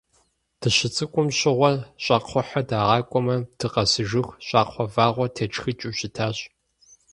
Дыщыцӏыкӏум щыгъуэ щӏакхъуэхьэ дагъакӏуамэ, дыкъэсыжыху, щӏакхъуэ вэгъур тетшхыкӏыу щытащ.